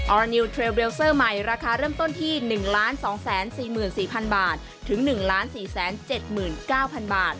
อรานิวเทรลเลเซอร์ใหม่ราคาเริ่มต้นที่๑๒๔๔๐๐๐บาทถึง๑๔๗๙๐๐บาท